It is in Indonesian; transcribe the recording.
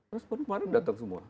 deklatnya kemarin datang semua